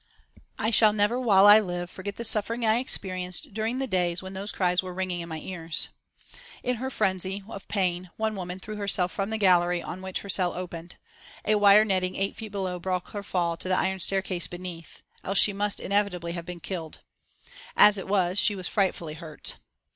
I shall never while I live forget the suffering I experienced during the days when those cries were ringing in my ears. In her frenzy of pain one woman threw herself from the gallery on which her cell opened. A wire netting eight feet below broke her fall to the iron staircase beneath, else she must inevitably have been killed. As it was she was frightfully hurt.